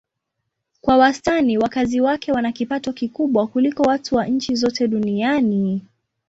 Kwa wastani wakazi wake wana kipato kikubwa kuliko watu wa nchi zote duniani.